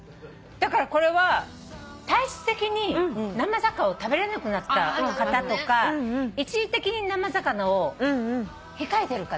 だからこれは体質的に生魚を食べれなくなった方とか一時的に生魚を控えてる方。